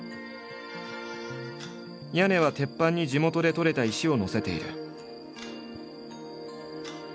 屋根は鉄板に地元で採れた石を載せている。